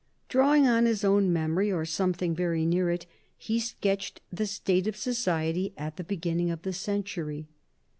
Drawing on his own memory, or something very near it, he sketched the state of society at the beginning of the century.